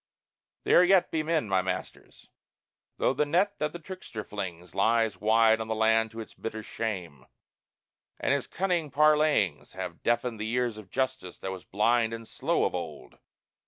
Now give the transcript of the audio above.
"There yet be men, my masters," though the net that the trickster flings Lies wide on the land to its bitter shame, and his cunning parleyings Have deafened the ears of Justice, that was blind and slow of old.